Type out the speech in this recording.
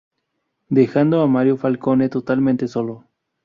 Dejando a Mario Falcone totalmente solo.